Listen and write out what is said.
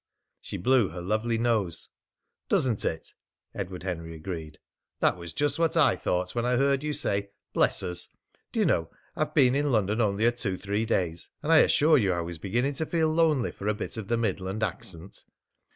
She blew her lovely nose. "Doesn't it!" Edward Henry agreed. "That was just what I thought when I heard you say 'Bless us!' Do you know, I've been in London only a two three days, and I assure you I was beginning to feel lonely for a bit of the Midland accent!"